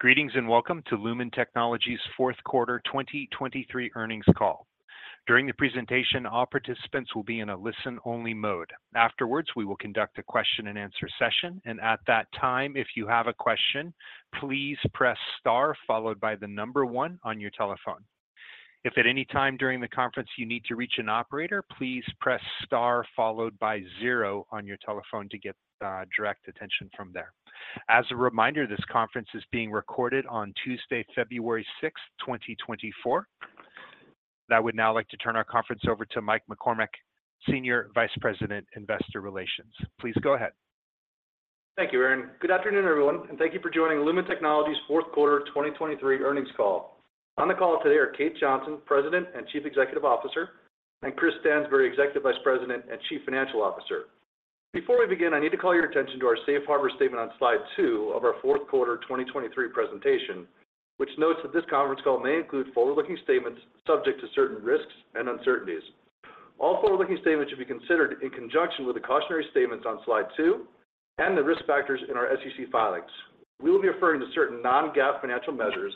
Greetings, and welcome to Lumen Technologies' Q4 2023 earnings call. During the presentation, all participants will be in a listen-only mode. Afterwards, we will conduct a question-and-answer session, and at that time, if you have a question, please press star followed by the number one on your telephone. If at any time during the conference you need to reach an operator, please press star followed by zero on your telephone to get direct attention from there. As a reminder, this conference is being recorded on Tuesday, February 6th, 2024. I would now like to turn our conference over to Mike McCormack, Senior Vice President, Investor Relations. Please go ahead. Thank you, Aaron. Good afternoon, everyone, and thank you for joining Lumen Technologies' Q4 2023 earnings call. On the call today are Kate Johnson, President and Chief Executive Officer, and Chris Stansbury, Executive Vice President and Chief Financial Officer. Before we begin, I need to call your attention to our safe harbor statement on Slide two of our Q4 2023 presentation, which notes that this conference call may include forward-looking statements subject to certain risks and uncertainties. All forward-looking statements should be considered in conjunction with the cautionary statements on Slide two and the risk factors in our SEC filings. We will be referring to certain non-GAAP financial measures,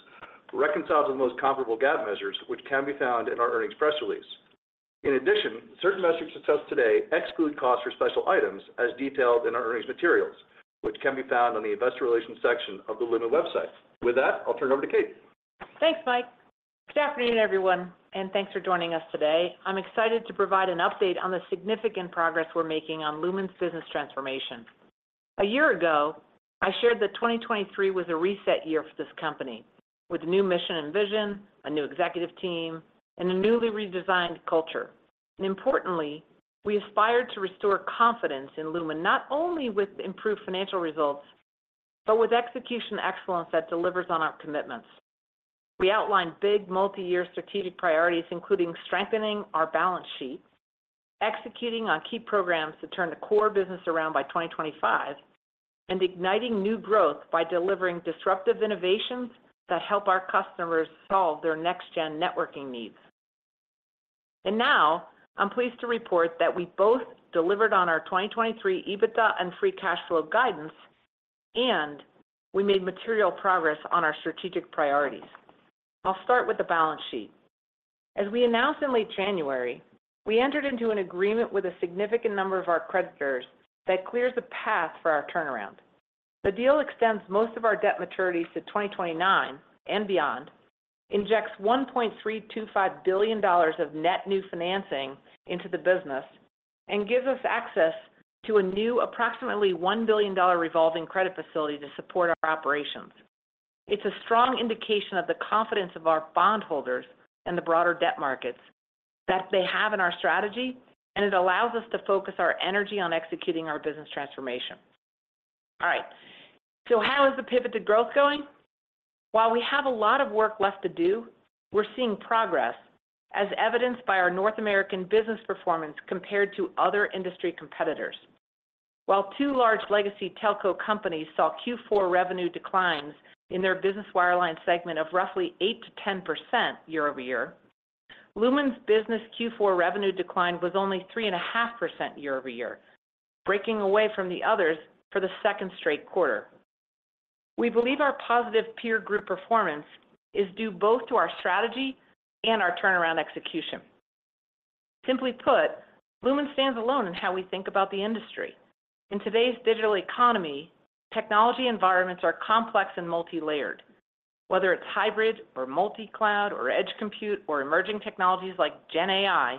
reconciled to the most comparable GAAP measures, which can be found in our earnings press release. In addition, certain metrics discussed today exclude costs for special items, as detailed in our earnings materials, which can be found on the Investor Relations section of the Lumen website. With that, I'll turn it over to Kate. Thanks, Mike. Good afternoon, everyone, and thanks for joining us today. I'm excited to provide an update on the significant progress we're making on Lumen's business transformation. A year ago, I shared that 2023 was a reset year for this company, with a new mission and vision, a new executive team, and a newly redesigned culture. And importantly, we aspired to restore confidence in Lumen, not only with improved financial results, but with execution excellence that delivers on our commitments. We outlined big multi-year strategic priorities, including strengthening our balance sheet, executing on key programs to turn the core business around by 2025, and igniting new growth by delivering disruptive innovations that help our customers solve their next-gen networking needs. And now, I'm pleased to report that we both delivered on our 2023 EBITDA and free cash flow guidance, and we made material progress on our strategic priorities. I'll start with the balance sheet. As we announced in late January, we entered into an agreement with a significant number of our creditors that clears the path for our turnaround. The deal extends most of our debt maturities to 2029 and beyond, injects $1.325 billion of net new financing into the business, and gives us access to a new approximately $1 billion revolving credit facility to support our operations. It's a strong indication of the confidence of our bondholders and the broader debt markets that they have in our strategy, and it allows us to focus our energy on executing our business transformation. All right, so how is the pivot to growth going? While we have a lot of work left to do, we're seeing progress, as evidenced by our North American business performance compared to other industry competitors. While two large legacy telco companies saw Q4 revenue declines in their Business Wireline segment of roughly 8%-10% year-over-year, Lumen's business Q4 revenue decline was only 3.5% year-over-year, breaking away from the others for the second straight quarter. We believe our positive peer group performance is due both to our strategy and our turnaround execution. Simply put, Lumen stands alone in how we think about the industry. In today's digital economy, technology environments are complex and multilayered. Whether it's hybrid or multi-cloud or edge compute or emerging technologies like Gen AI,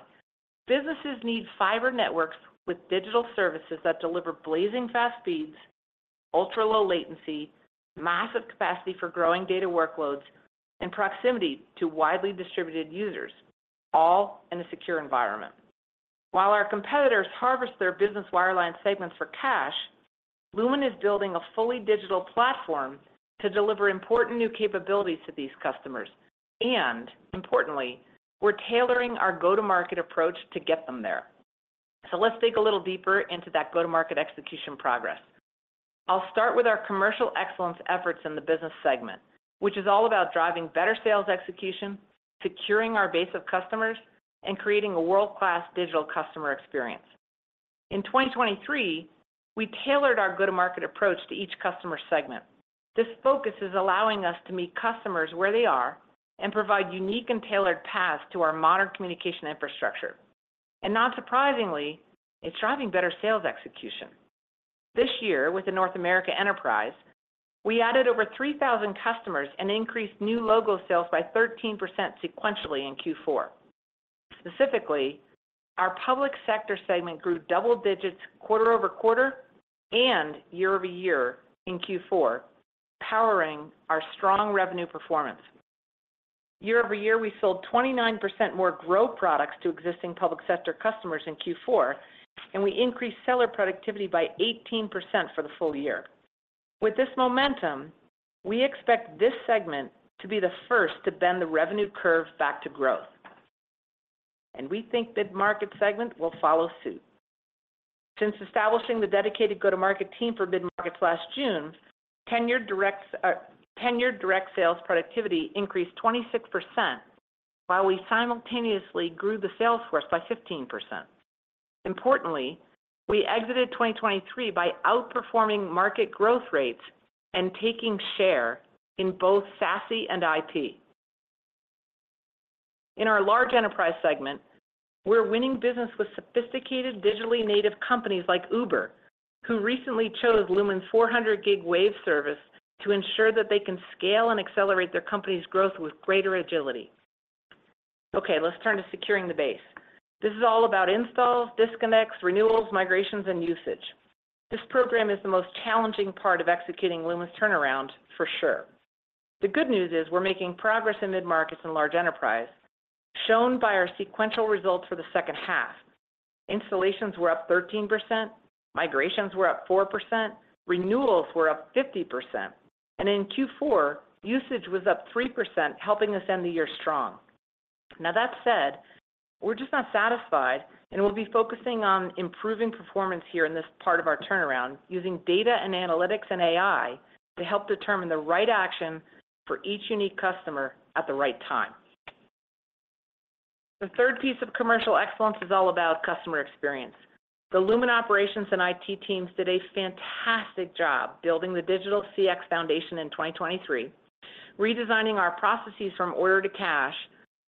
businesses need fiber networks with digital services that deliver blazing fast speeds, ultra-low latency, massive capacity for growing data workloads, and proximity to widely distributed users, all in a secure environment. While our competitors harvest their Business Wireline segments for cash, Lumen is building a fully digital platform to deliver important new capabilities to these customers, and importantly, we're tailoring our go-to-market approach to get them there. So let's dig a little deeper into that go-to-market execution progress. I'll start with our commercial excellence efforts in the business segment, which is all about driving better sales execution, securing our base of customers, and creating a world-class digital customer experience. In 2023, we tailored our go-to-market approach to each customer segment. This focus is allowing us to meet customers where they are and provide unique and tailored paths to our modern communication infrastructure. Not surprisingly, it's driving better sales execution. This year, with the North America Enterprise, we added over 3,000 customers and increased new logo sales by 13% sequentially in Q4. Specifically, our Public Sector segment grew double digits quarter-over-quarter and year-over-year in Q4, powering our strong revenue performance. Year-over-year, we sold 29% more growth products to existing Public Sector customers in Q4, and we increased seller productivity by 18% for the full year. With this momentum, we expect this segment to be the first to bend the revenue curve back to growth, and we think that market segment will follow suit. Since establishing the dedicated go-to-market team for Mid-Markets last June, tenured direct sales productivity increased 26%, while we simultaneously grew the sales force by 15%. Importantly, we exited 2023 by outperforming market growth rates and taking share in both SASE and IT. In our Large Enterprise segment, we're winning business with sophisticated, digitally native companies like Uber, who recently chose Lumen's 400 gig Wave service to ensure that they can scale and accelerate their company's growth with greater agility. Okay, let's turn to securing the base. This is all about installs, disconnects, renewals, migrations, and usage. This program is the most challenging part of executing Lumen's turnaround for sure. The good news is we're making progress in Mid-Markets and Large Enterprise, shown by our sequential results for the second half. Installations were up 13%, migrations were up 4%, renewals were up 50%, and in Q4, usage was up 3%, helping us end the year strong. Now, that said, we're just not satisfied, and we'll be focusing on improving performance here in this part of our turnaround, using data and analytics and AI to help determine the right action for each unique customer at the right time. The third piece of commercial excellence is all about customer experience. The Lumen operations and IT teams did a fantastic job building the digital CX foundation in 2023, redesigning our processes from order to cash,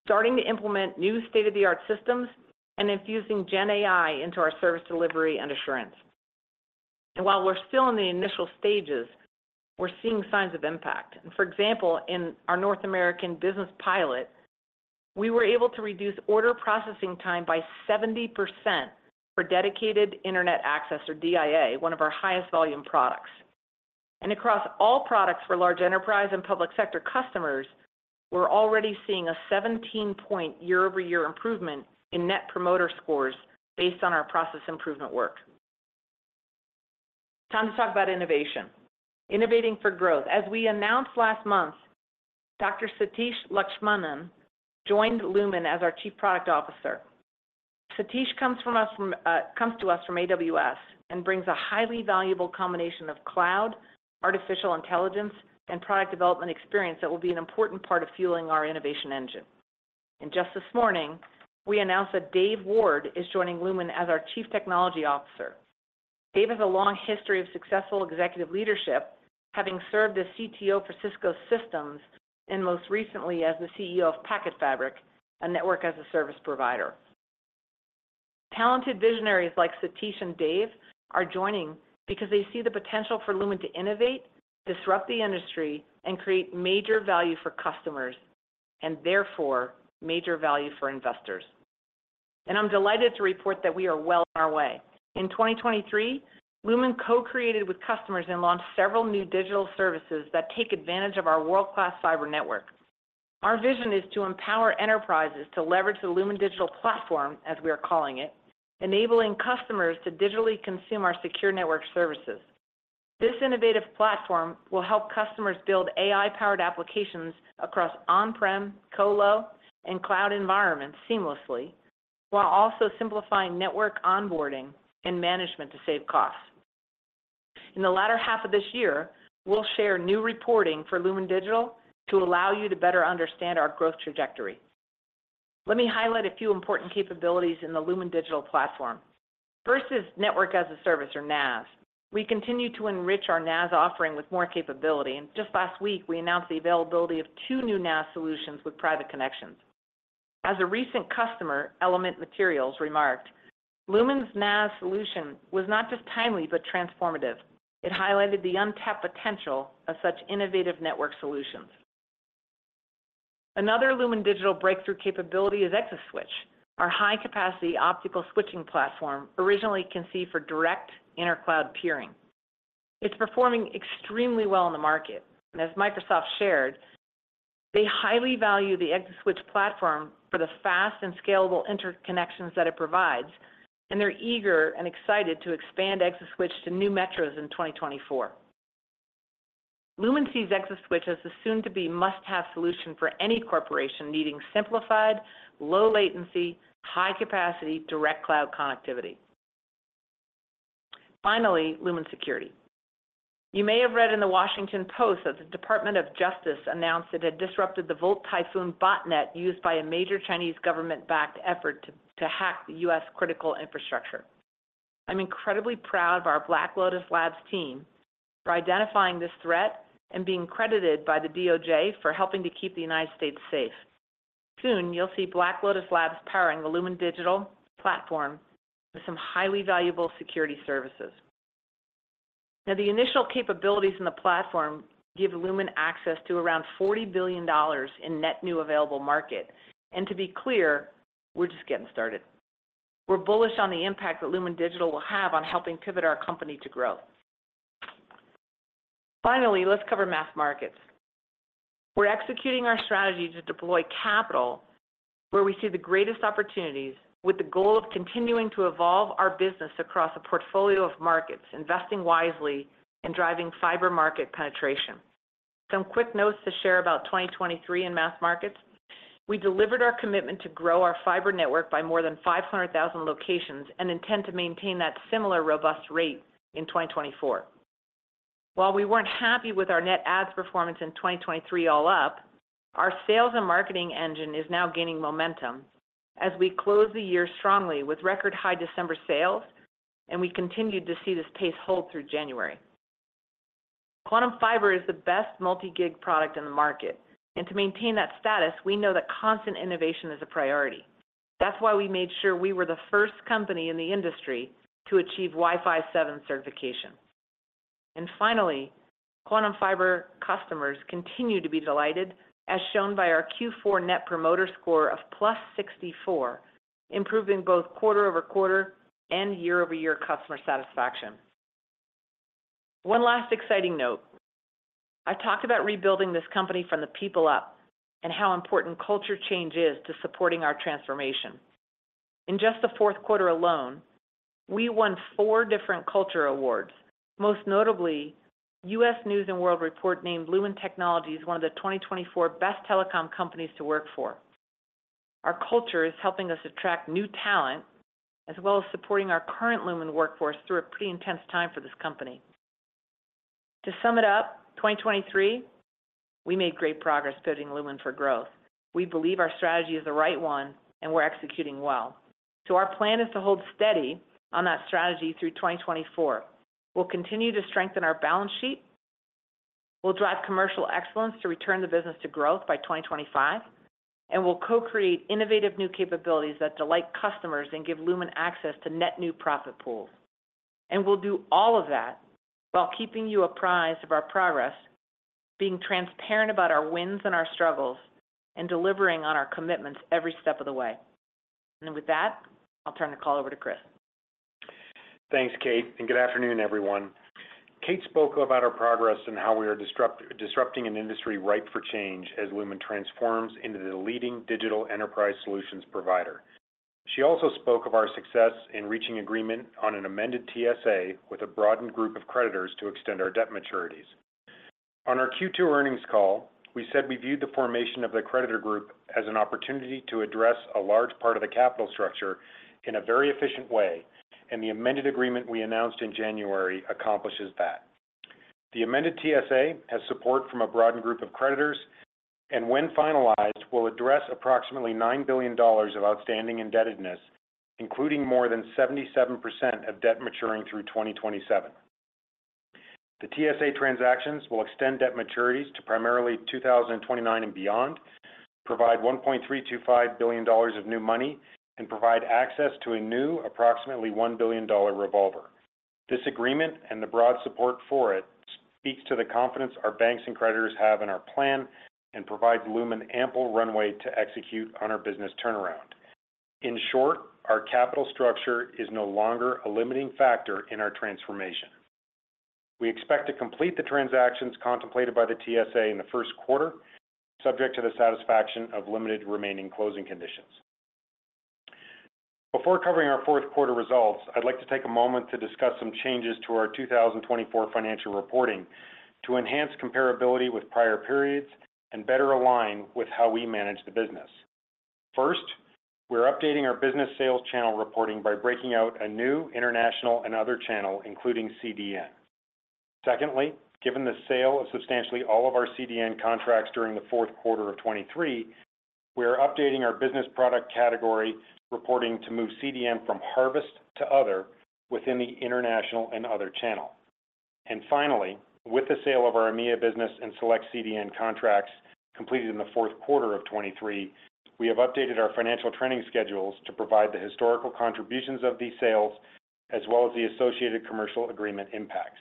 starting to implement new state-of-the-art systems, and infusing Gen AI into our service delivery and assurance. And while we're still in the initial stages, we're seeing signs of impact. For example, in our North American business pilot, we were able to reduce order processing time by 70% for Dedicated Internet Access, or DIA, one of our highest volume products. Across all products for Large Enterprise and Public Sector customers, we're already seeing a 17-point year-over-year improvement in Net Promoter Score based on our process improvement work. Time to talk about innovation, innovating for growth. As we announced last month, Dr. Satish Lakshmanan joined Lumen as our Chief Product Officer. Satish comes to us from AWS and brings a highly valuable combination of cloud, artificial intelligence, and product development experience that will be an important part of fueling our innovation engine. Just this morning, we announced that Dave Ward is joining Lumen as our Chief Technology Officer. Dave has a long history of successful executive leadership, having served as CTO for Cisco Systems and most recently as the CEO of PacketFabric, a network as a service provider. Talented visionaries like Satish and Dave are joining because they see the potential for Lumen to innovate, disrupt the industry, and create major value for customers, and therefore, major value for investors. I'm delighted to report that we are well on our way. In 2023, Lumen co-created with customers and launched several new digital services that take advantage of our world-class cyber network. Our vision is to empower enterprises to leverage the Lumen Digital platform, as we are calling it, enabling customers to digitally consume our secure network services. This innovative platform will help customers build AI-powered applications across on-prem, colo, and cloud environments seamlessly, while also simplifying network onboarding and management to save costs. In the latter half of this year, we'll share new reporting for Lumen Digital to allow you to better understand our growth trajectory. Let me highlight a few important capabilities in the Lumen Digital platform. First is Network as a Service, or NaaS. We continue to enrich our NaaS offering with more capability, and just last week, we announced the availability of two new NaaS solutions with private connections. As a recent customer, Element Materials, remarked, "Lumen's NaaS solution was not just timely, but transformative. It highlighted the untapped potential of such innovative network solutions." Another Lumen Digital breakthrough capability is ExaSwitch, our high-capacity optical switching platform, originally conceived for direct intercloud peering. It's performing extremely well in the market, and as Microsoft shared, they highly value the ExaSwitch platform for the fast and scalable interconnections that it provides, and they're eager and excited to expand ExaSwitch to new metros in 2024. Lumen sees ExaSwitch as the soon-to-be must-have solution for any corporation needing simplified, low latency, high capacity, direct cloud connectivity. Finally, Lumen Security. You may have read in The Washington Post that the Department of Justice announced it had disrupted the Volt Typhoon botnet used by a major Chinese government-backed effort to hack the U.S. critical infrastructure. I'm incredibly proud of our Black Lotus Labs team for identifying this threat and being credited by the DOJ for helping to keep the United States safe. Soon, you'll see Black Lotus Labs powering the Lumen Digital platform with some highly valuable security services. Now, the initial capabilities in the platform give Lumen access to around $40 billion in net new available market. To be clear, we're just getting started. We're bullish on the impact that Lumen Digital will have on helping pivot our company to growth. Finally, let's cover Mass Markets. We're executing our strategy to deploy capital where we see the greatest opportunities, with the goal of continuing to evolve our business across a portfolio of markets, investing wisely, and driving fiber market penetration. Some quick notes to share about 2023 in Mass Markets. We delivered our commitment to grow our fiber network by more than 500,000 locations and intend to maintain that similar robust rate in 2024. While we weren't happy with our net adds performance in 2023 all up, our sales and marketing engine is now gaining momentum as we close the year strongly with record high December sales, and we continued to see this pace hold through January. Quantum Fiber is the best multi-gig product in the market, and to maintain that status, we know that constant innovation is a priority. That's why we made sure we were the first company in the industry to achieve Wi-Fi 7 certification. And finally, Quantum Fiber customers continue to be delighted, as shown by our Q4 Net Promoter Score of +64, improving both quarter-over-quarter and year-over-year customer satisfaction. One last exciting note. I talked about rebuilding this company from the people up and how important culture change is to supporting our transformation. In just the Q4 alone, we won four different culture awards. Most notably, U.S. News & World Report named Lumen Technologies one of the 2024 best telecom companies to work for. Our culture is helping us attract new talent, as well as supporting our current Lumen workforce through a pretty intense time for this company. To sum it up, 2023, we made great progress building Lumen for growth. We believe our strategy is the right one, and we're executing well. So our plan is to hold steady on that strategy through 2024. We'll continue to strengthen our balance sheet. We'll drive commercial excellence to return the business to growth by 2025, and we'll co-create innovative new capabilities that delight customers and give Lumen access to net new profit pools. And we'll do all of that while keeping you apprised of our progress, being transparent about our wins and our struggles, and delivering on our commitments every step of the way. And with that, I'll turn the call over to Chris. Thanks, Kate, and good afternoon, everyone. Kate spoke about our progress and how we are disrupting an industry ripe for change as Lumen transforms into the leading digital enterprise solutions provider. She also spoke of our success in reaching agreement on an amended TSA with a broadened group of creditors to extend our debt maturities. On our Q2 earnings call, we said we viewed the formation of the creditor group as an opportunity to address a large part of the capital structure in a very efficient way, and the amended agreement we announced in January accomplishes that. The amended TSA has support from a broadened group of creditors, and when finalized, will address approximately $9 billion of outstanding indebtedness, including more than 77% of debt maturing through 2027. The TSA transactions will extend debt maturities to primarily 2029 and beyond, provide $1.325 billion of new money, and provide access to a new approximately $1 billion revolver. This agreement and the broad support for it speaks to the confidence our banks and creditors have in our plan and provides Lumen ample runway to execute on our business turnaround. In short, our capital structure is no longer a limiting factor in our transformation. We expect to complete the transactions contemplated by the TSA in the Q1, subject to the satisfaction of limited remaining closing conditions. Before covering our Q4 results, I'd like to take a moment to discuss some changes to our 2024 financial reporting to enhance comparability with prior periods and better align with how we manage the business. First, we're updating our business sales channel reporting by breaking out a new International and Other channel, including CDN. Secondly, given the sale of substantially all of our CDN contracts during the Q4 of 2023, we are updating our business product category reporting to move CDN from harvest to other within the International and Other channel. And finally, with the sale of our EMEA business and select CDN contracts completed in the Q4 of 2023, we have updated our financial reporting schedules to provide the historical contributions of these sales, as well as the associated commercial agreement impacts.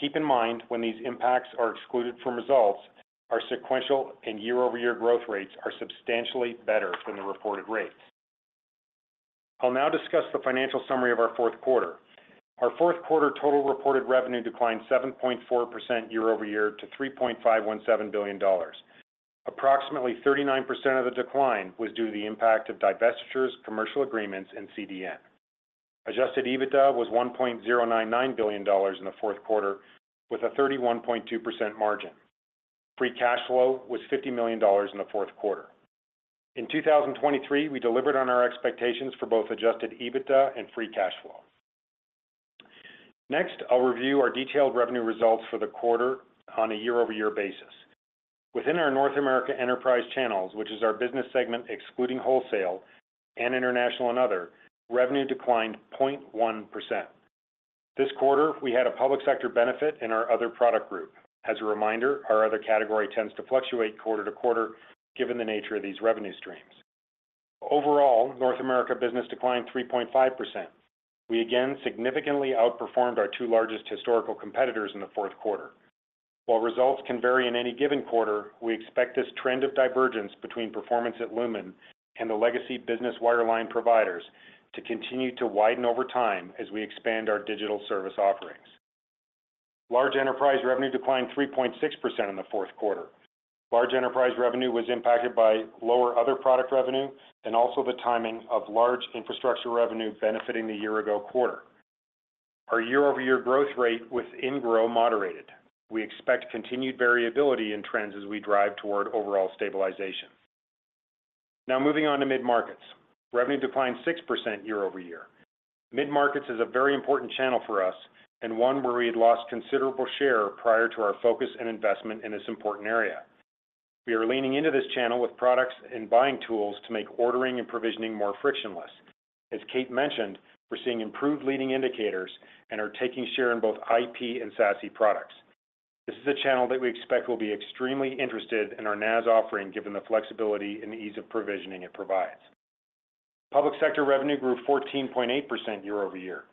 Keep in mind, when these impacts are excluded from results, our sequential and year-over-year growth rates are substantially better than the reported rates. I'll now discuss the financial summary of our Q4. Our Q4 total reported revenue declined 7.4% year-over-year to $3.517 billion. Approximately 39% of the decline was due to the impact of divestitures, commercial agreements, and CDN. Adjusted EBITDA was $1.099 billion in the Q4, with a 31.2% margin. Free cash flow was $50 million in the Q4. In 2023, we delivered on our expectations for both adjusted EBITDA and free cash flow. Next, I'll review our detailed revenue results for the quarter on a year-over-year basis. Within our North America Enterprise channels, which is our business segment, excluding Wholesale and International and Other, revenue declined 0.1%. This quarter, we had a Public Sector benefit in our other product group. As a reminder, our other category tends to fluctuate quarter-to-quarter given the nature of these revenue streams. Overall, North America business declined 3.5%. We again significantly outperformed our two largest historical competitors in the Q4. While results can vary in any given quarter, we expect this trend of divergence between performance at Lumen and the legacy Business Wireline providers to continue to widen over time as we expand our digital service offerings. Large Enterprise revenue declined 3.6% in the Q4. Large Enterprise revenue was impacted by lower other product revenue and also the timing of large infrastructure revenue benefiting the year ago quarter. Our year-over-year growth rate within Grow moderated. We expect continued variability in trends as we drive toward overall stabilization.... Now moving on to Mid-Markets. Revenue declined 6% year-over-year. Mid-Markets is a very important channel for us and one where we had lost considerable share prior to our focus and investment in this important area. We are leaning into this channel with products and buying tools to make ordering and provisioning more frictionless. As Kate mentioned, we're seeing improved leading indicators and are taking share in both IP and SASE products. This is a channel that we expect will be extremely interested in our NaaS offering, given the flexibility and ease of provisioning it provides. Public Sector revenue grew 14.8% year-over-year.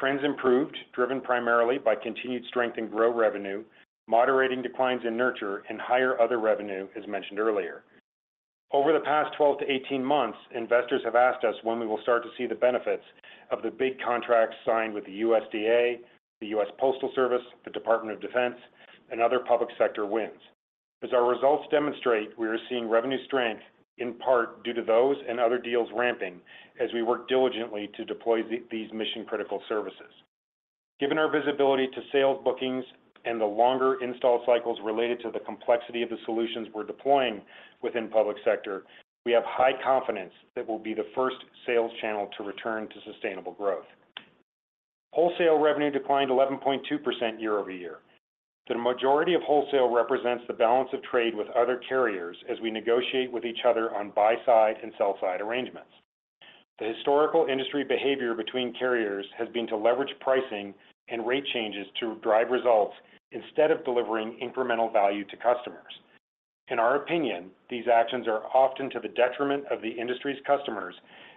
Trends improved, driven primarily by continued strength in grow revenue, moderating declines in Nurture, and higher other revenue, as mentioned earlier. Over the past 12-18 months, investors have asked us when we will start to see the benefits of the big contracts signed with the USDA, the U.S. Postal Service, the Department of Defense, and Other Public sector wins. As our results demonstrate, we are seeing revenue strength in part due to those and other deals ramping as we work diligently to deploy these mission-critical services. Given our visibility to sales bookings and the longer install cycles related to the complexity of the solutions we're deploying within Public Sector, we have high confidence that we'll be the first sales channel to return to sustainable growth. Wholesale revenue declined 11.2% year-over-year. The majority of wholesale represents the balance of trade with other carriers as we negotiate with each other on buy-side and sell-side arrangements. The historical industry behavior between carriers has been to leverage pricing and rate changes to drive results instead of delivering incremental value to customers. In our opinion, these actions are often to the detriment of the industry's customers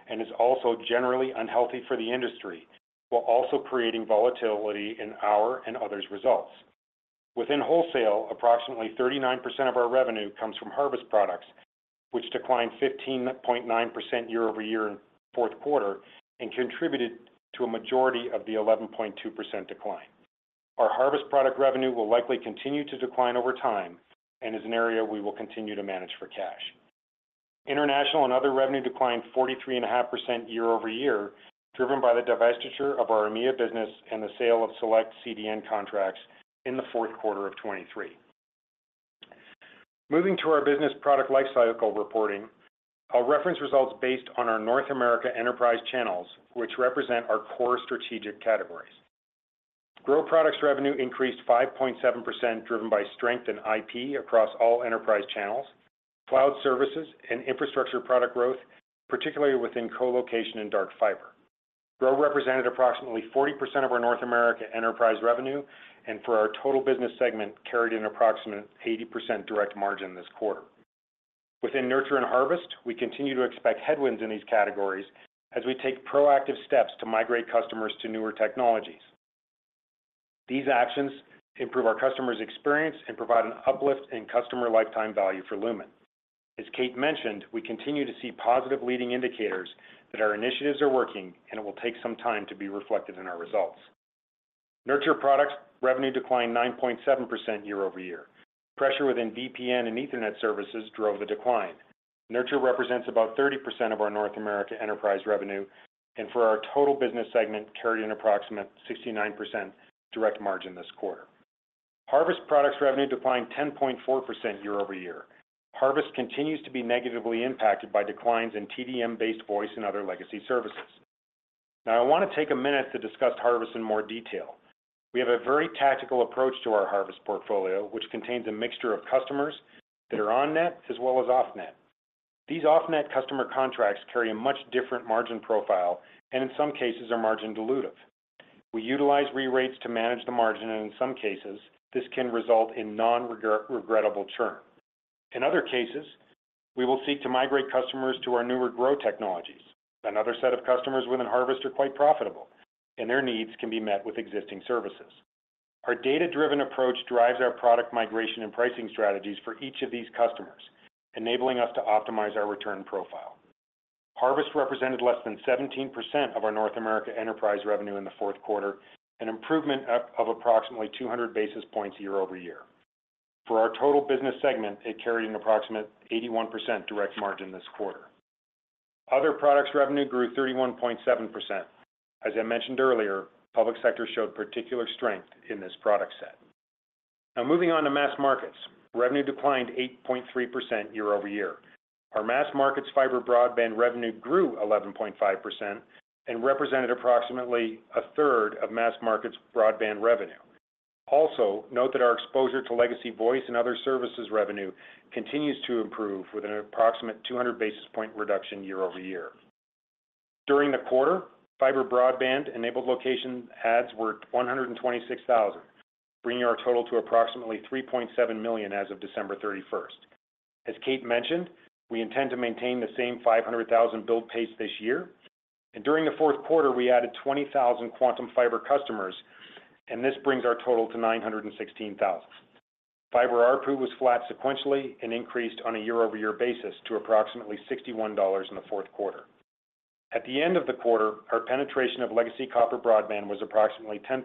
and is also generally unhealthy for the industry, while also creating volatility in our and others' results. Within wholesale, approximately 39% of our revenue comes from harvest products, which declined 15.9% year-over-year in Q4 and contributed to a majority of the 11.2% decline. Our harvest product revenue will likely continue to decline over time and is an area we will continue to manage for cash. International and other revenue declined 43.5% year-over-year, driven by the divestiture of our EMEA business and the sale of select CDN contracts in the Q4 of 2023. Moving to our business product lifecycle reporting, I'll reference results based on our North America Enterprise channels, which represent our core strategic categories. Grow products revenue increased 5.7%, driven by strength in IP across all enterprise channels, cloud services, and infrastructure product growth, particularly within colocation and dark fiber. Grow represented approximately 40% of our North America Enterprise revenue, and for our total business segment, carried an approximate 80% direct margin this quarter. Within Nurture and harvest, we continue to expect headwinds in these categories as we take proactive steps to migrate customers to newer technologies. These actions improve our customers' experience and provide an uplift in customer lifetime value for Lumen. As Kate mentioned, we continue to see positive leading indicators that our initiatives are working, and it will take some time to be reflected in our results. Nurture products revenue declined 9.7% year-over-year. Pressure within VPN and Ethernet services drove the decline. Nurture represents about 30% of our North America Enterprise revenue, and for our total business segment, carried an approximate 69% direct margin this quarter. Harvest products revenue declined 10.4% year-over-year. Harvest continues to be negatively impacted by declines in TDM-based voice and other legacy services. Now, I want to take a minute to discuss harvest in more detail. We have a very tactical approach to our harvest portfolio, which contains a mixture of customers that are on-net as well as off-net. These off-net customer contracts carry a much different margin profile and in some cases are margin dilutive. We utilize re-rates to manage the margin, and in some cases, this can result in non-regrettable churn. In other cases, we will seek to migrate customers to our newer grow technologies. Another set of customers within harvest are quite profitable, and their needs can be met with existing services. Our data-driven approach drives our product migration and pricing strategies for each of these customers, enabling us to optimize our return profile. Harvest represented less than 17% of our North America Enterprise revenue in the Q4, an improvement of approximately 200 basis points year-over-year. For our total business segment, it carried an approximate 81% direct margin this quarter. Other products revenue grew 31.7%. As I mentioned earlier, Public Sector showed particular strength in this product set. Now, moving on to Mass Markets. Revenue declined 8.3% year-over-year. Our Mass Markets fiber broadband revenue grew 11.5% and represented approximately a third of Mass Markets broadband revenue. Also, note that our exposure to legacy voice and other services revenue continues to improve, with an approximate 200 basis point reduction year-over-year. During the quarter, fiber broadband-enabled location adds were 126,000, bringing our total to approximately 3.7 million as of December 31st. As Kate mentioned, we intend to maintain the same 500,000 build pace this year. During the Q4, we added 20,000 Quantum Fiber customers, and this brings our total to 916,000. Fiber ARPU was flat sequentially and increased on a year-over-year basis to approximately $61 in the Q4. At the end of the quarter, our penetration of legacy copper broadband was approximately 10%,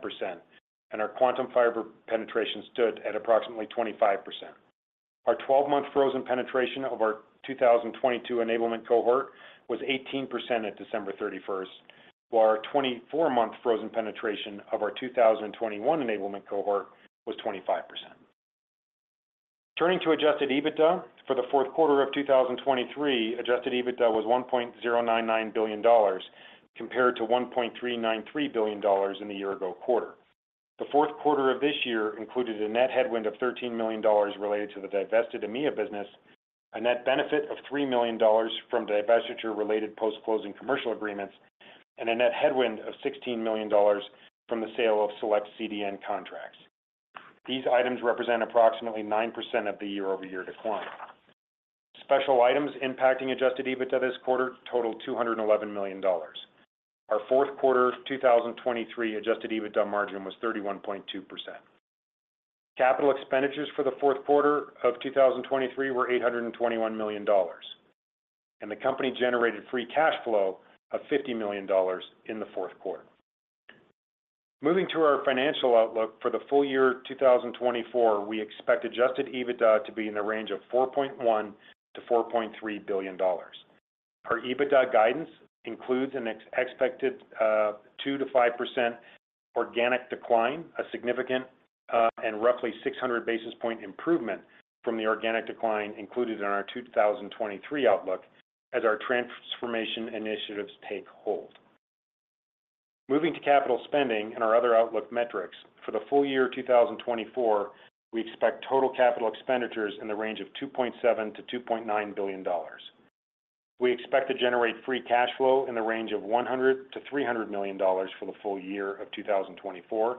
and our Quantum Fiber penetration stood at approximately 25%. Our 12-month frozen penetration of our 2022 enablement cohort was 18% at December thirty-first, while our 24-month frozen penetration of our 2021 enablement cohort was 25%. Turning to Adjusted EBITDA, for the Q4 of 2023, Adjusted EBITDA was $1.099 billion, compared to $1.393 billion in the year-ago quarter. The Q4 of this year included a net headwind of $13 million related to the divested EMEA business, a net benefit of $3 million from divestiture-related post-closing commercial agreements, and a net headwind of $16 million from the sale of select CDN contracts. These items represent approximately 9% of the year-over-year decline. Special items impacting adjusted EBITDA this quarter totaled $211 million. Our Q4 2023 adjusted EBITDA margin was 31.2%. Capital expenditures for the Q4 of 2023 were $821 million, and the company generated free cash flow of $50 million in the Q4. Moving to our financial outlook for the full year 2024, we expect adjusted EBITDA to be in the range of $4.1 billion-$4.3 billion. Our EBITDA guidance includes an expected 2%-5% organic decline, a significant and roughly 600 basis point improvement from the organic decline included in our 2023 outlook as our transformation initiatives take hold. Moving to capital spending and our other outlook metrics, for the full year 2024, we expect total capital expenditures in the range of $2.7 billion-$2.9 billion. We expect to generate free cash flow in the range of $100 million-$300 million for the full year of 2024,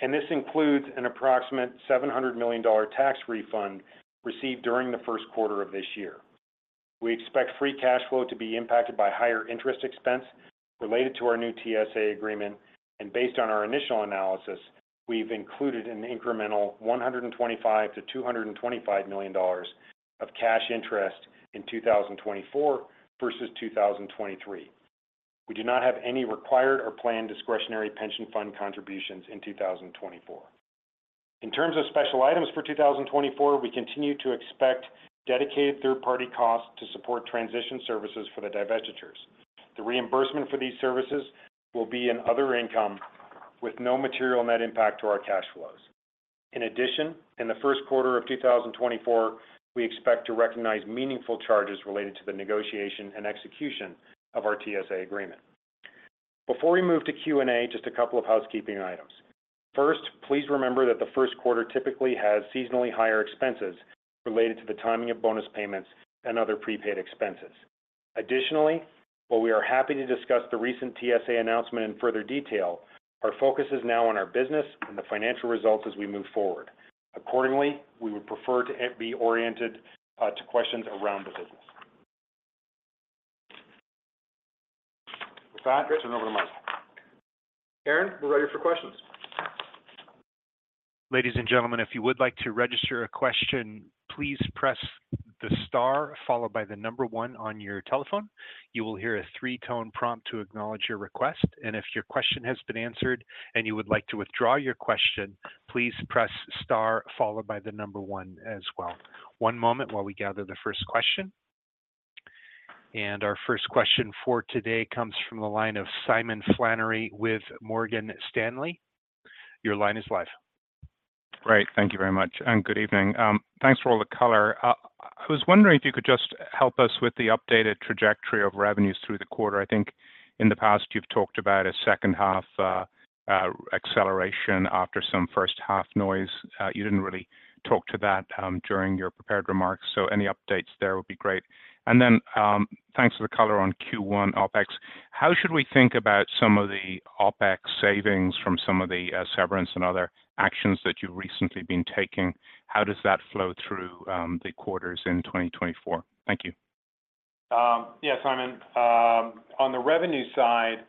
and this includes an approximate $700 million tax refund received during the Q1 of this year. We expect free cash flow to be impacted by higher interest expense related to our new TSA agreement, and based on our initial analysis, we've included an incremental $125 million-$225 million of cash interest in 2024 versus 2023. We do not have any required or planned discretionary pension fund contributions in 2024. In terms of special items for 2024, we continue to expect dedicated third-party costs to support transition services for the divestitures. The reimbursement for these services will be in other income, with no material net impact to our cash flows. In addition, in the Q1 of 2024, we expect to recognize meaningful charges related to the negotiation and execution of our TSA agreement. Before we move to Q&A, just a couple of housekeeping items. First, please remember that the Q1 typically has seasonally higher expenses related to the timing of bonus payments and other prepaid expenses. Additionally, while we are happy to discuss the recent TSA announcement in further detail, our focus is now on our business and the financial results as we move forward. Accordingly, we would prefer to be oriented to questions around the business. With that, turn over the mic. Aaron, we're ready for questions. Ladies and gentlemen, if you would like to register a question, please press the star followed by the number one on your telephone. You will hear a three-tone prompt to acknowledge your request, and if your question has been answered and you would like to withdraw your question, please press star followed by the number one as well. One moment while we gather the first question. Our first question for today comes from the line of Simon Flannery with Morgan Stanley. Your line is live. Great. Thank you very much, and good evening. Thanks for all the color. I was wondering if you could just help us with the updated trajectory of revenues through the quarter. I think in the past, you've talked about a second half acceleration after some first half noise. You didn't really talk to that during your prepared remarks, so any updates there would be great. And then, thanks for the color on Q1 OpEx. How should we think about some of the OpEx savings from some of the severance and other actions that you've recently been taking? How does that flow through the quarters in 2024? Thank you. Yeah, Simon. On the revenue side,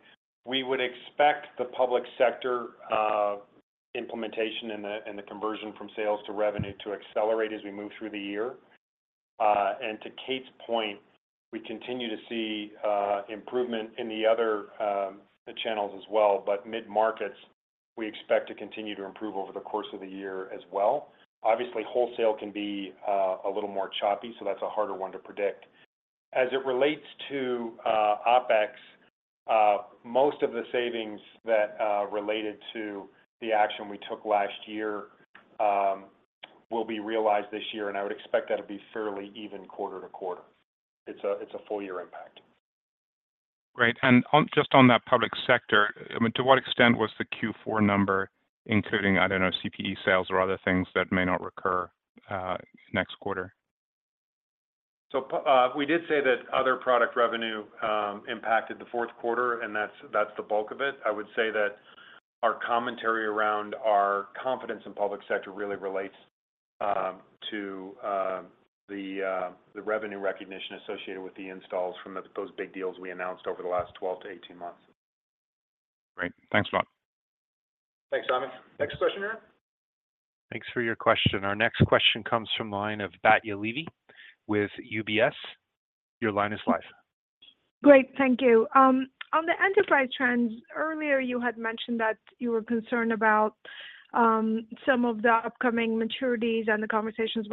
we would expect the Public Sector implementation and the conversion from sales to revenue to accelerate as we move through the year. And to Kate's point, we continue to see improvement in the other channels as well, but Mid-Markets, we expect to continue to improve over the course of the year as well. Obviously, wholesale can be a little more choppy, so that's a harder one to predict. As it relates to OpEx, most of the savings that related to the action we took last year will be realized this year, and I would expect that to be fairly even quarter-to-quarter. It's a full year impact. Great. And on just that Public Sector, I mean, to what extent was the Q4 number, including, I don't know, CPE sales or other things that may not recur next quarter? We did say that other product revenue impacted the Q4, and that's, that's the bulk of it. I would say that our commentary around our confidence in Public Sector really relates to the revenue recognition associated with the installs from those big deals we announced over the last 12-18 months. Great. Thanks a lot. Thanks, Simon. Next question, Aaron. Thanks for your question. Our next question comes from the line of Batya Levi with UBS. Your line is live. Great. Thank you. On the enterprise trends, earlier you had mentioned that you were concerned about some of the upcoming maturities, and the conversations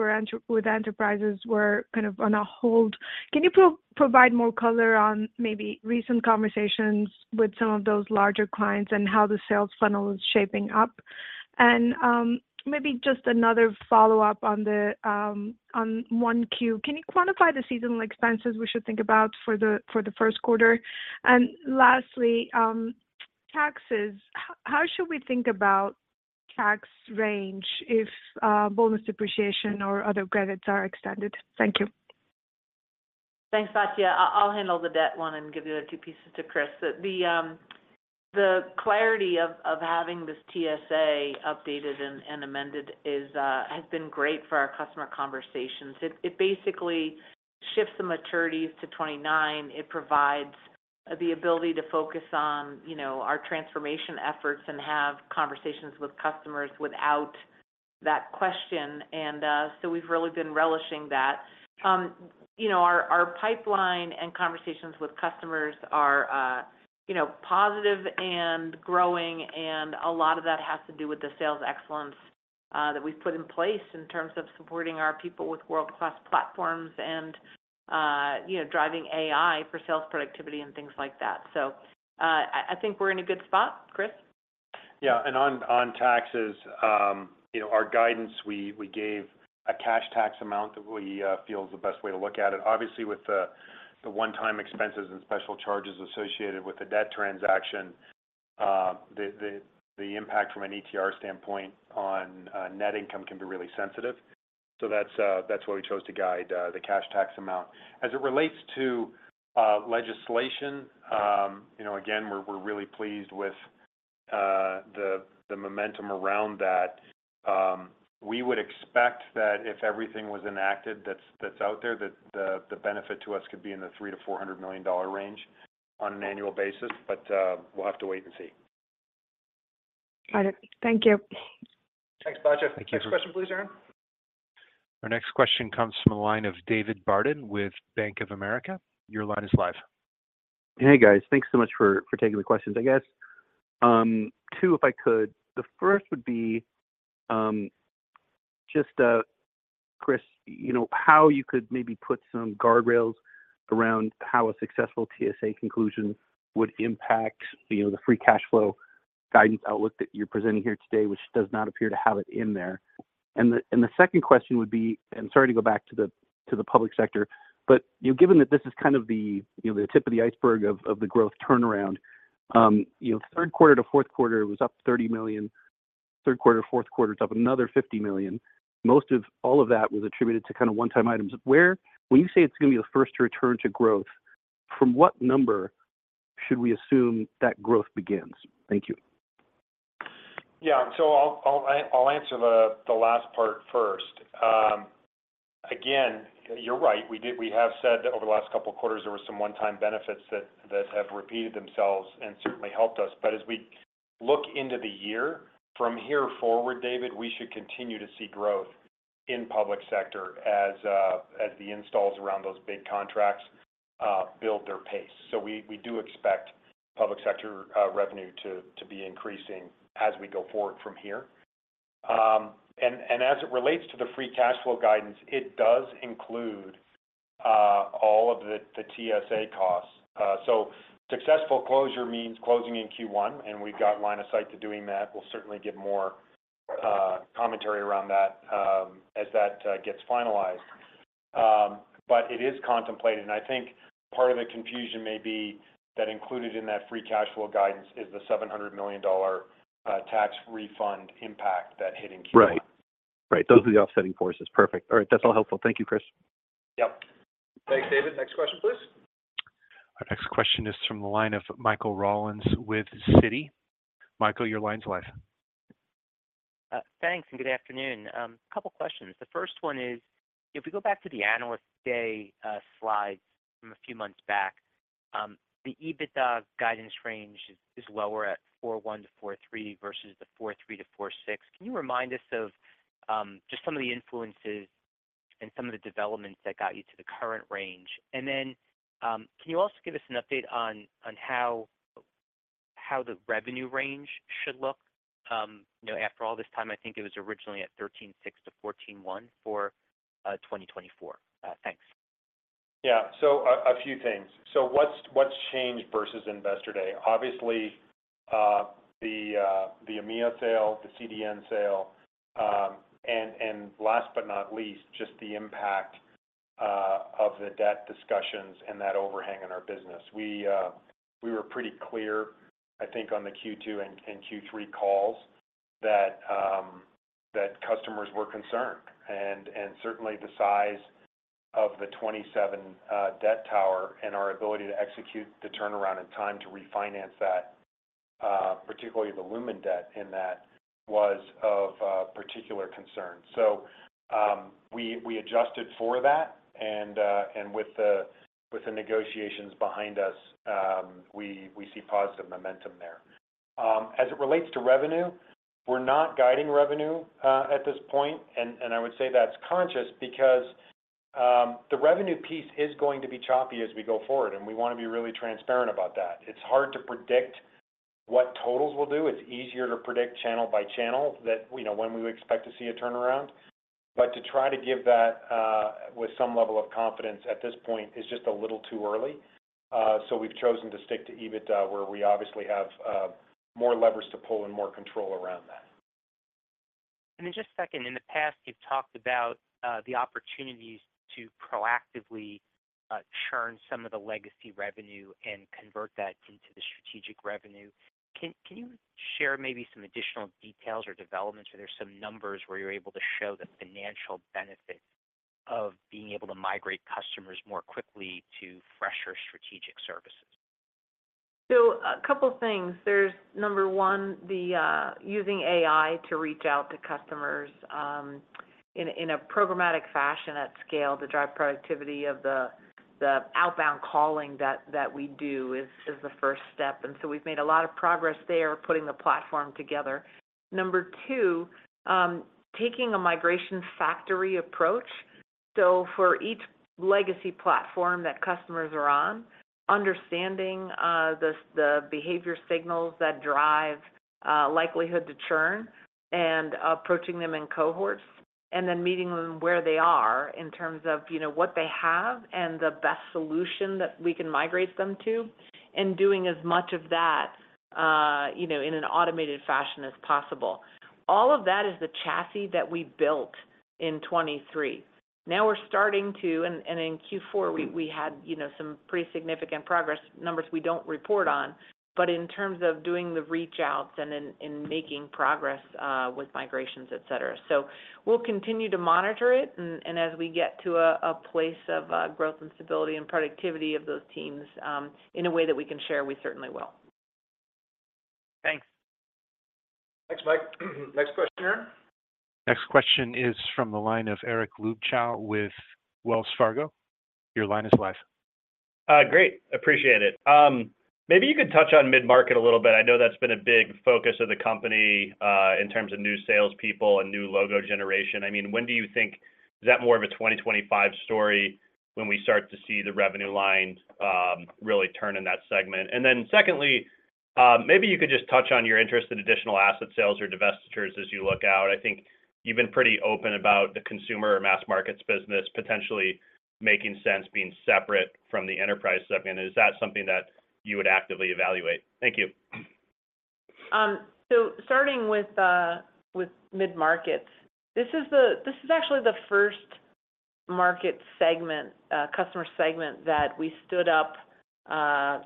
with enterprises were kind of on a hold. Can you provide more color on maybe recent conversations with some of those larger clients and how the sales funnel is shaping up? And maybe just another follow-up on the Q1. Can you quantify the seasonal expenses we should think about for the Q1? And lastly, taxes. How should we think about tax range if bonus depreciation or other credits are extended? Thank you. Thanks, Batya. I'll handle the debt one and give you the two pieces to Chris. The clarity of having this TSA updated and amended has been great for our customer conversations. It basically shifts the maturities to 2029. It provides the ability to focus on, you know, our transformation efforts and have conversations with customers without that question. And so we've really been relishing that. You know, our pipeline and conversations with customers are you know positive and growing, and a lot of that has to do with the sales excellence that we've put in place in terms of supporting our people with world-class platforms and, you know, driving AI for sales productivity and things like that. So I think we're in a good spot. Chris? Yeah, and on taxes, you know, our guidance, we gave a cash tax amount that we feel is the best way to look at it. Obviously, with the one-time expenses and special charges associated with the debt transaction, the impact from an ETR standpoint on net income can be really sensitive. So that's why we chose to guide the cash tax amount. As it relates to legislation, you know, again, we're really pleased with the momentum around that. We would expect that if everything was enacted that's out there, that the benefit to us could be in the $300 million-$400 million range on an annual basis, but we'll have to wait and see. Got it. Thank you. Thanks, Batya. Thank you. Next question, please, Aaron. Our next question comes from the line of David Barden with Bank of America. Your line is live. Hey, guys. Thanks so much for taking the questions. I guess, two, if I could. The first would be, just, Chris, you know, how you could maybe put some guardrails around how a successful TSA conclusion would impact, you know, the free cash flow guidance outlook that you're presenting here today, which does not appear to have it in there. And the second question would be, and sorry to go back to the Public Sector, but, you know, given that this is kind of the tip of the iceberg of the growth turnaround, you know, Q3 to Q4 was up $30 million, Q3 to Q4, it's up another $50 million. Most of all of that was attributed to kind of one-time items. When you say it's going to be the first to return to growth, from what number should we assume that growth begins? Thank you. Yeah. So I'll answer the last part first. Again, you're right. We did. We have said that over the last couple of quarters, there were some one-time benefits that have repeated themselves and certainly helped us. But as we look into the year from here forward, David, we should continue to see growth in Public Sector as the installs around those big contracts build their pace. So we do expect Public Sector revenue to be increasing as we go forward from here. And as it relates to the free cash flow guidance, it does include all of the TSA costs. So successful closure means closing in Q1, and we've got line of sight to doing that. We'll certainly give more commentary around that as that gets finalized. It is contemplated, and I think part of the confusion may be that included in that free cash flow guidance is the $700 million tax refund impact that hit in Q1. Right. Right, those are the offsetting forces. Perfect. All right. That's all helpful. Thank you, Chris. Yep. Thanks, David. Next question, please. Our next question is from the line of Michael Rollins with Citi. Michael, your line is live. Thanks, and good afternoon. A couple questions. The first one is, if we go back to the Analyst Day slides from a few months back, the EBITDA guidance range is lower at 4.1-4.3 versus the 4.3-4.6. Can you remind us of just some of the influences and some of the developments that got you to the current range? And then, can you also give us an update on how the revenue range should look, you know, after all this time? I think it was originally at 13.6-14.1 for 2024. Thanks. Yeah. So a few things. So what's changed versus Investor Day? Obviously, the EMEA sale, the CDN sale, and last but not least, just the impact of the debt discussions and that overhang in our business. We were pretty clear, I think, on the Q2 and Q3 calls that customers were concerned, and certainly the size of the 2027 debt tower and our ability to execute the turnaround in time to refinance that, particularly the Lumen debt in that, was of particular concern. So, we adjusted for that, and with the negotiations behind us, we see positive momentum there. As it relates to revenue, we're not guiding revenue at this point, and I would say that's conscious because the revenue piece is going to be choppy as we go forward, and we want to be really transparent about that. It's hard to predict what totals will do. It's easier to predict channel by channel, you know, when we would expect to see a turnaround... but to try to give that with some level of confidence at this point is just a little too early. So we've chosen to stick to EBITDA, where we obviously have more levers to pull and more control around that. And then just a second, in the past, you've talked about the opportunities to proactively churn some of the legacy revenue and convert that into the strategic revenue. Can you share maybe some additional details or developments? Are there some numbers where you're able to show the financial benefit of being able to migrate customers more quickly to fresher strategic services? So a couple things. There's number one, using AI to reach out to customers in a programmatic fashion at scale to drive productivity of the outbound calling that we do is the first step, and so we've made a lot of progress there, putting the platform together. Number two, taking a migration factory approach. So for each legacy platform that customers are on, understanding the behavior signals that drive likelihood to churn and approaching them in cohorts, and then meeting them where they are in terms of, you know, what they have and the best solution that we can migrate them to, and doing as much of that, you know, in an automated fashion as possible. All of that is the chassis that we built in 2023. Now we're starting to and in Q4, we had, you know, some pretty significant progress, numbers we don't report on, but in terms of doing the reach outs and in making progress with migrations, et cetera. So we'll continue to monitor it, and as we get to a place of growth and stability and productivity of those teams, in a way that we can share, we certainly will. Thanks. Thanks, Mike. Next question, Aaron? Next question is from the line of Eric Luebchow with Wells Fargo. Your line is live. Great, appreciate it. Maybe you could touch on mid-market a little bit. I know that's been a big focus of the company, in terms of new salespeople and new logo generation. I mean, when do you think... Is that more of a 2025 story when we start to see the revenue line, really turn in that segment? And then secondly, maybe you could just touch on your interest in additional asset sales or divestitures as you look out. I think you've been pretty open about the consumer or Mass Markets business potentially making sense being separate from the enterprise segment. Is that something that you would actively evaluate? Thank you. So starting with Mid-Markets, this is actually the first market segment, customer segment, that we stood up,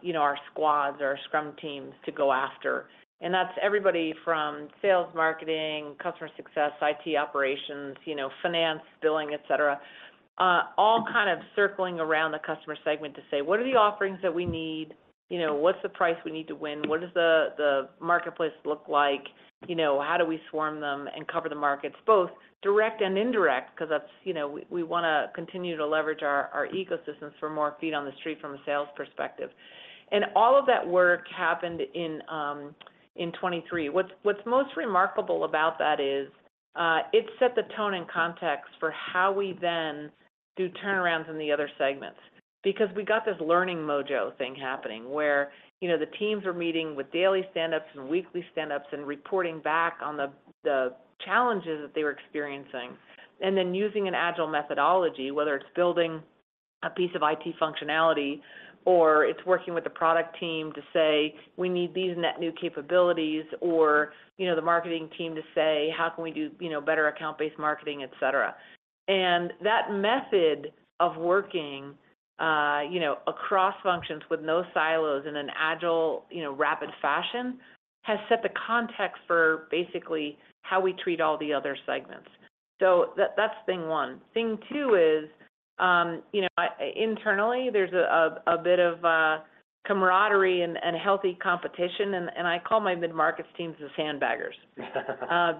you know, our squads or our scrum teams to go after. And that's everybody from sales, marketing, customer success, IT operations, you know, finance, billing, et cetera, all kind of circling around the customer segment to say: What are the offerings that we need? You know, what's the price we need to win? What does the marketplace look like? You know, how do we swarm them and cover the markets, both direct and indirect? Because that's, you know, we wanna continue to leverage our ecosystems for more feet on the street from a sales perspective. And all of that work happened in 2023. What's most remarkable about that is, it set the tone and context for how we then do turnarounds in the other segments. Because we got this learning mojo thing happening, where, you know, the teams are meeting with daily stand-ups and weekly stand-ups and reporting back on the challenges that they were experiencing. And then using an agile methodology, whether it's building a piece of IT functionality, or it's working with the product team to say, "We need these net new capabilities," or, you know, the marketing team to say, "How can we do, you know, better account-based marketing," et cetera. And that method of working, you know, across functions with no silos in an agile, you know, rapid fashion, has set the context for basically how we treat all the other segments. So that's thing one. Thing two is, you know, internally, there's a bit of camaraderie and healthy competition, and I call my Mid-Markets teams the sandbaggers.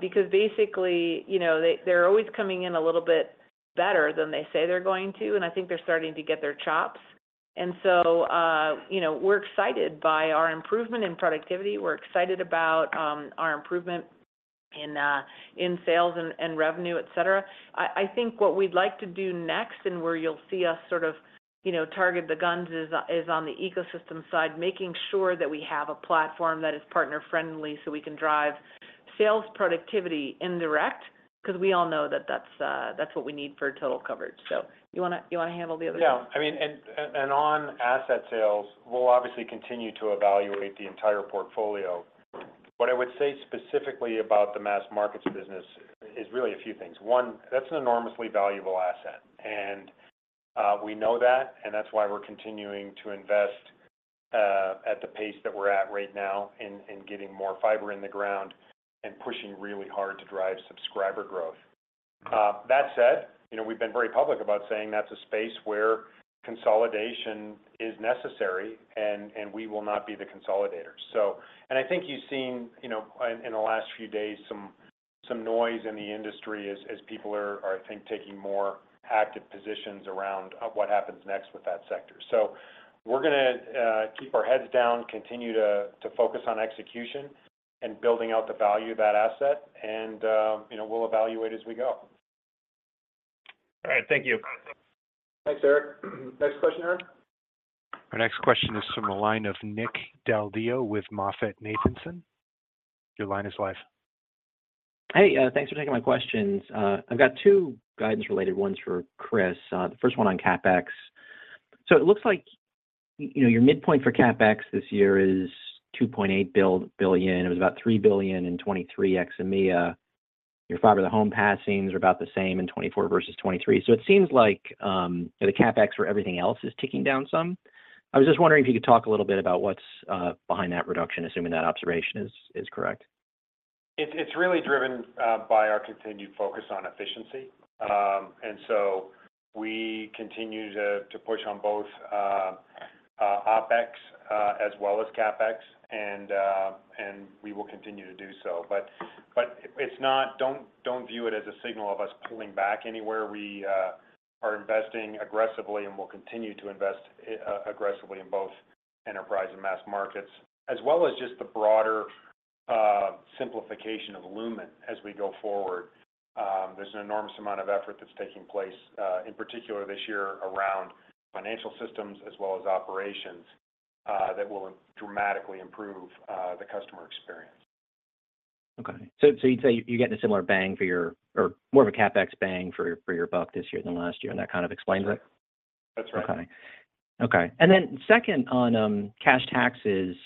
Because basically, you know, they're always coming in a little bit better than they say they're going to, and I think they're starting to get their chops. And so, you know, we're excited by our improvement in productivity. We're excited about our improvement in sales and revenue, et cetera. I think what we'd like to do next, and where you'll see us sort of, you know, target the guns, is on the ecosystem side, making sure that we have a platform that is partner-friendly, so we can drive sales productivity indirect, because we all know that that's what we need for total coverage. So, you wanna, you wanna handle the other thing? Yeah. I mean, on asset sales, we'll obviously continue to evaluate the entire portfolio. What I would say specifically about the Mass Markets business is really a few things. One, that's an enormously valuable asset, and we know that, and that's why we're continuing to invest at the pace that we're at right now in getting more fiber in the ground and pushing really hard to drive subscriber growth. That said, you know, we've been very public about saying that's a space where consolidation is necessary, and we will not be the consolidators. So. And I think you've seen, you know, in the last few days, some noise in the industry as people are, I think, taking more active positions around what happens next with that sector. So we're gonna keep our heads down, continue to focus on execution and building out the value of that asset, and, you know, we'll evaluate as we go. All right, thank you. Thanks, Eric. Next question, Aaron?... Our next question is from the line of Nick Del Deo with MoffettNathanson. Your line is live. Hey, thanks for taking my questions. I've got two guidance-related ones for Chris. The first one on CapEx. So it looks like, you know, your midpoint for CapEx this year is $2.8 billion. It was about $3 billion in 2023 ex EMEA. Your fiber to the home passings are about the same in 2024 versus 2023. So it seems like, the CapEx for everything else is ticking down some. I was just wondering if you could talk a little bit about what's behind that reduction, assuming that observation is correct. It's really driven by our continued focus on efficiency. And so we continue to push on both OpEx as well as CapEx, and we will continue to do so. But it's not. Don't view it as a signal of us pulling back anywhere. We are investing aggressively, and we'll continue to invest aggressively in both Enterprise and Mass Markets, as well as just the broader simplification of Lumen as we go forward. There's an enormous amount of effort that's taking place in particular this year around financial systems as well as operations that will dramatically improve the customer experience. Okay. So you'd say you're getting a similar bang for your... or more of a CapEx bang for your buck this year than last year, and that kind of explains it? That's right. Okay. Okay, and then second on, cash taxes,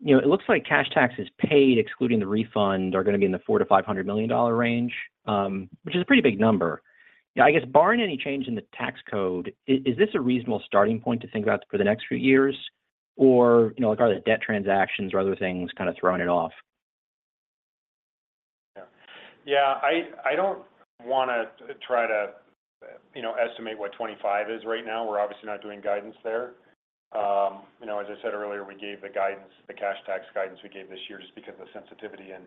you know, it looks like cash taxes paid, excluding the refund, are gonna be in the $400 million-$500 million range, which is a pretty big number. I guess, barring any change in the tax code, is this a reasonable starting point to think about for the next few years? Or, you know, are there debt transactions or other things kind of throwing it off? Yeah. Yeah, I, I don't wanna try to, you know, estimate what 2025 is right now. We're obviously not doing guidance there. You know, as I said earlier, we gave the guidance, the cash tax guidance we gave this year just because of the sensitivity in,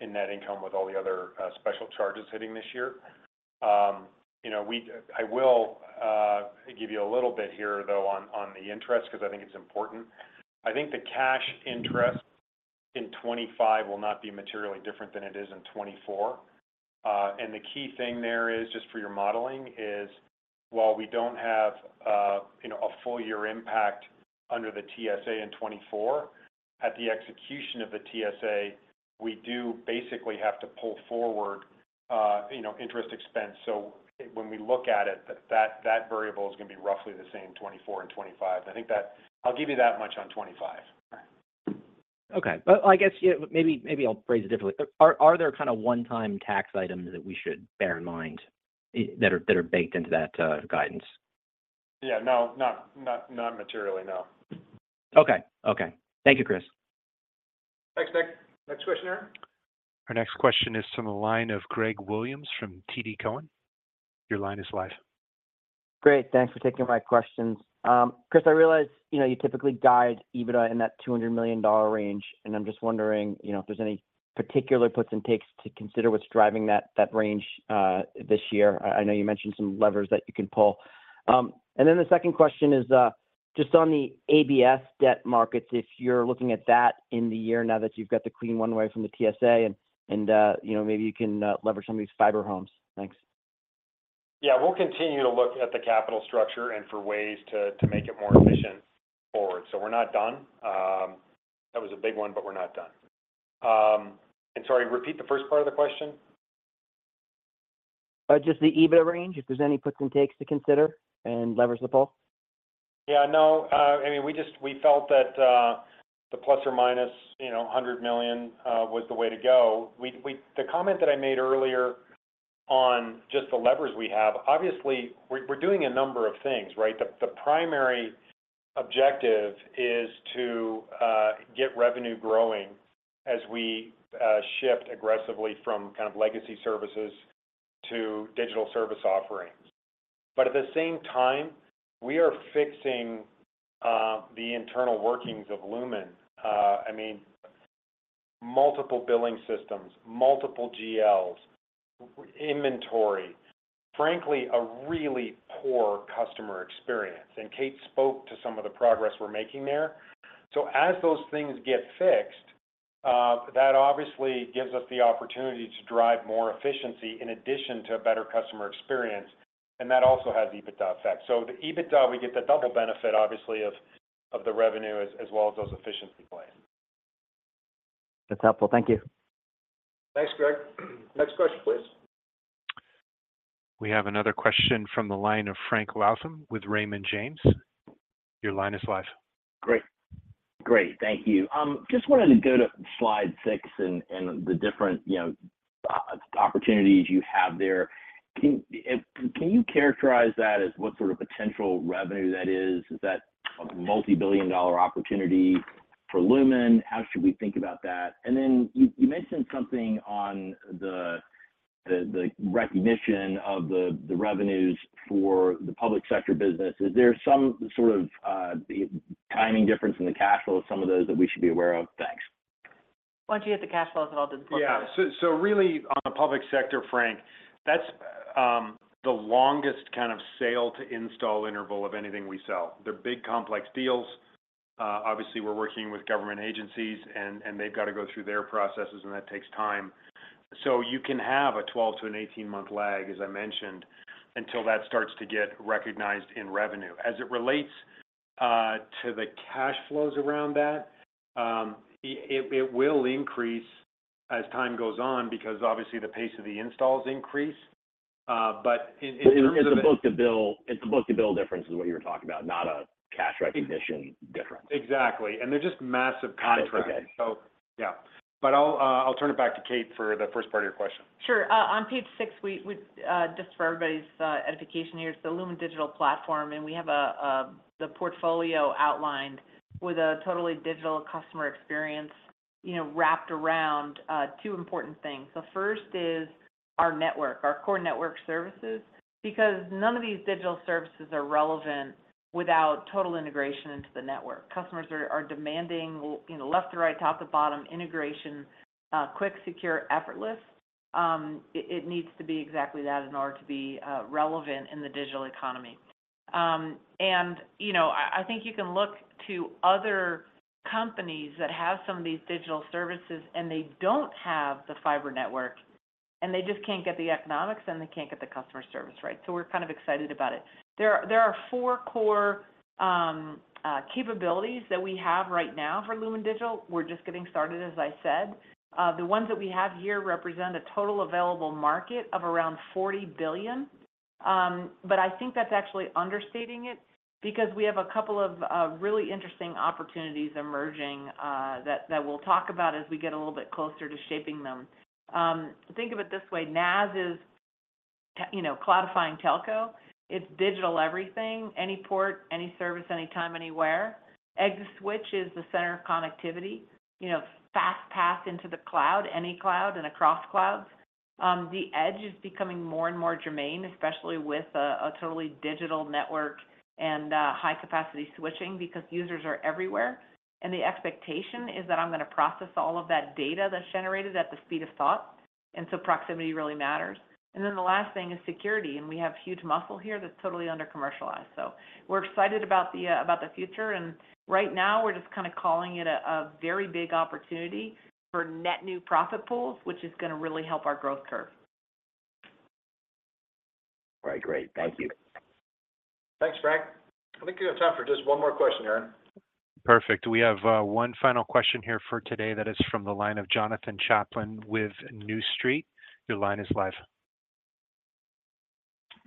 in net income with all the other special charges hitting this year. You know, we-- I will give you a little bit here, though, on, on the interest, because I think it's important. I think the cash interest in 2025 will not be materially different than it is in 2024. And the key thing there is, just for your modeling, is while we don't have, you know, a full year impact under the TSA in 2024, at the execution of the TSA, we do basically have to pull forward, you know, interest expense. So when we look at it, that variable is going to be roughly the same in 2024 and 2025. I think that... I'll give you that much on 2025. Okay. But I guess, yeah, maybe, maybe I'll phrase it differently. Are there kind of one-time tax items that we should bear in mind, that are baked into that, guidance? Yeah, no, not materially, no. Okay. Okay. Thank you, Chris. Thanks, Nick. Next question, Aaron. Our next question is from the line of Greg Williams from TD Cowen. Your line is live. Great, thanks for taking my questions. Chris, I realize, you know, you typically guide EBITDA in that $200 million range, and I'm just wondering, you know, if there's any particular puts and takes to consider what's driving that range this year. I know you mentioned some levers that you can pull. And then the second question is just on the ABS debt markets, if you're looking at that in the year now that you've got the clean one away from the TSA, and you know, maybe you can lever some of these fiber homes. Thanks. Yeah, we'll continue to look at the capital structure and for ways to make it more efficient forward. So we're not done. That was a big one, but we're not done. And sorry, repeat the first part of the question. Just the EBITDA range, if there's any puts and takes to consider and levers to pull. Yeah, no, I mean, we felt that the ±$100 million, you know, was the way to go. The comment that I made earlier on just the levers we have, obviously, we're doing a number of things, right? The primary objective is to get revenue growing as we shift aggressively from kind of legacy services to digital service offerings. But at the same time, we are fixing the internal workings of Lumen. I mean, multiple billing systems, multiple GLs, inventory, frankly, a really poor customer experience, and Kate spoke to some of the progress we're making there. So as those things get fixed, that obviously gives us the opportunity to drive more efficiency in addition to a better customer experience, and that also has EBITDA effect. So the EBITDA, we get the double benefit, obviously, of the revenue as well as those efficiency plays. That's helpful. Thank you. Thanks, Greg. Next question, please. We have another question from the line of Frank Louthan with Raymond James. Your line is live. Great. Great, thank you. Just wanted to go to Slide six and, and the different, you know, opportunities you have there. Can, can you characterize that as what sort of potential revenue that is? Is that a multi-billion dollar opportunity for Lumen? How should we think about that? And then you, you mentioned something on the, the, the recognition of the, the revenues for the Public Sector business. Is there some sort of, timing difference in the cash flow of some of those that we should be aware of? Thanks. Why don't you hit the cash flow as well to- Yeah. So really, on the Public Sector, Frank, that's the longest kind of sale to install interval of anything we sell. They're big, complex deals. Obviously, we're working with government agencies, and they've got to go through their processes, and that takes time. So you can have a 12 to 18-month lag, as I mentioned, until that starts to get recognized in revenue. As it relates to the cash flows around that, it will increase as time goes on because obviously the pace of the installs increase. But in terms of the- It's a book-to-bill, it's a book-to-bill difference is what you're talking about, not a cash recognition difference. Exactly, and they're just massive contracts. Got it. Okay. Yeah, but I'll turn it back to Kate for the first part of your question. Sure. On page six, we just for everybody's edification here, it's the Lumen Digital platform, and we have a the portfolio outlined with a totally digital customer experience, you know, wrapped around two important things. The first is our network, our core network services, because none of these digital services are relevant without total integration into the network. Customers are demanding, you know, left to right, top to bottom integration, quick, secure, effortless. It needs to be exactly that in order to be relevant in the digital economy. And, you know, I think you can look to other companies that have some of these digital services, and they don't have the fiber network, and they just can't get the economics, and they can't get the customer service right. So we're kind of excited about it. There are four core capabilities that we have right now for Lumen Digital. We're just getting started, as I said. The ones that we have here represent a total available market of around $40 billion. But I think that's actually understating it because we have a couple of really interesting opportunities emerging that we'll talk about as we get a little bit closer to shaping them. Think of it this way, NaaS is, you know, cloudifying telco. It's digital everything, any port, any service, anytime, anywhere. ExaSwitch is the center of connectivity, you know, fast path into the cloud, any cloud, and across clouds. The edge is becoming more and more germane, especially with a totally digital network and high capacity switching because users are everywhere, and the expectation is that I'm going to process all of that data that's generated at the speed of thought, and so proximity really matters. And then the last thing is security, and we have huge muscle here that's totally under commercialized. So we're excited about the future, and right now we're just kind of calling it a very big opportunity for net new profit pools, which is going to really help our growth curve. Right. Great. Thank you. Thanks, Frank. I think we have time for just one more question, Aaron. Perfect. We have, one final question here for today that is from the line of Jonathan Chaplin with New Street. Your line is live.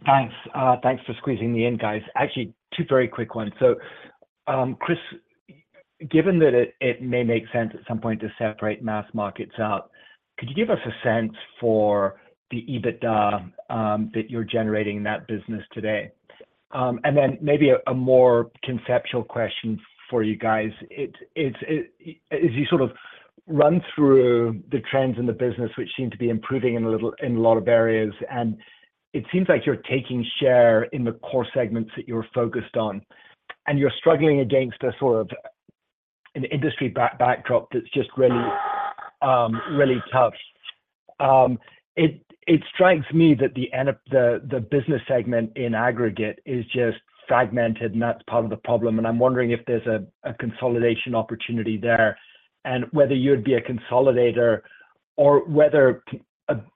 Thanks. Thanks for squeezing me in, guys. Actually, two very quick ones. So, Chris, given that it may make sense at some point to separate mass markets out, could you give us a sense for the EBITDA that you're generating in that business today? And then maybe a more conceptual question for you guys. It's as you sort of run through the trends in the business, which seem to be improving in a lot of areas, and it seems like you're taking share in the core segments that you're focused on, and you're struggling against a sort of an industry backdrop that's just really tough. It strikes me that the end of the business segment in aggregate is just fragmented, and that's part of the problem, and I'm wondering if there's a consolidation opportunity there, and whether you'd be a consolidator or whether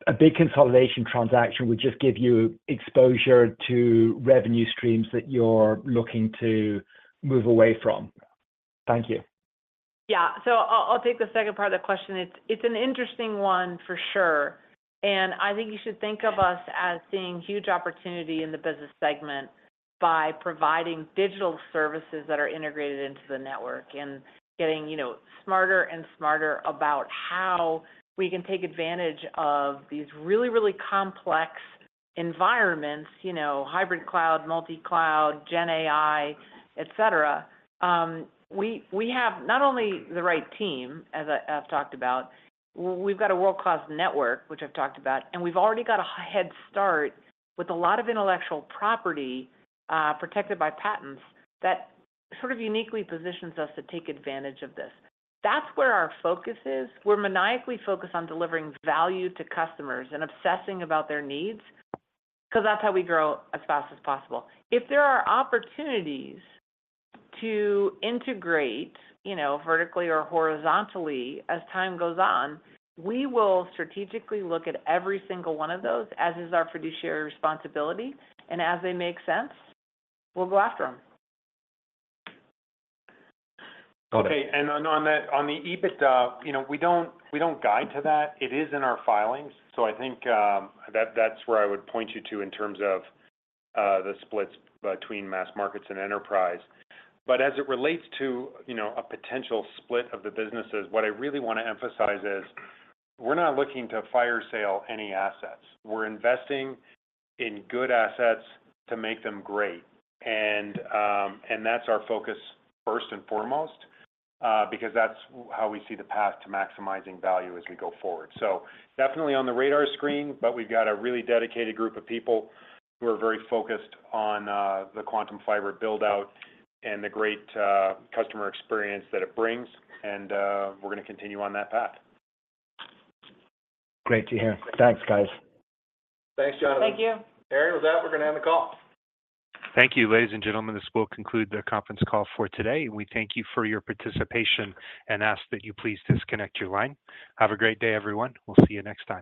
a big consolidation transaction would just give you exposure to revenue streams that you're looking to move away from. Thank you. Yeah. So I'll take the second part of the question. It's an interesting one for sure, and I think you should think of us as seeing huge opportunity in the business segment by providing digital services that are integrated into the network and getting, you know, smarter and smarter about how we can take advantage of these really, really complex environments, you know, hybrid cloud, multi-cloud, GenAI, et cetera. We have not only the right team, as I've talked about, we've got a world-class network, which I've talked about, and we've already got a head start with a lot of intellectual property protected by patents that sort of uniquely positions us to take advantage of this. That's where our focus is. We're maniacally focused on delivering value to customers and obsessing about their needs, because that's how we grow as fast as possible. If there are opportunities to integrate, you know, vertically or horizontally as time goes on, we will strategically look at every single one of those, as is our fiduciary responsibility, and as they make sense, we'll go after them. Got it. Okay, and on the EBITDA, you know, we don't guide to that. It is in our filings, so I think that's where I would point you to in terms of the splits between mass markets and enterprise. But as it relates to, you know, a potential split of the businesses, what I really want to emphasize is we're not looking to fire sale any assets. We're investing in good assets to make them great, and that's our focus first and foremost, because that's how we see the path to maximizing value as we go forward. So definitely on the radar screen, but we've got a really dedicated group of people who are very focused on the Quantum Fiber build-out and the great customer experience that it brings, and we're going to continue on that path. Great to hear. Thanks, guys. Thanks, Jonathan. Thank you. Aaron, with that, we're going to end the call. Thank you, ladies and gentlemen. This will conclude the conference call for today, and we thank you for your participation and ask that you please disconnect your line. Have a great day, everyone. We'll see you next time.